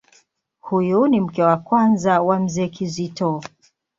Huyu ni mke wa kwanza wa Mzee Kizito.